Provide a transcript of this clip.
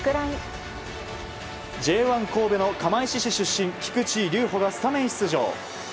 Ｊ１神戸の釜石市出身菊池流帆がスタメン出場。